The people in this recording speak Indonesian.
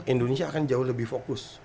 indonesia akan jauh lebih fokus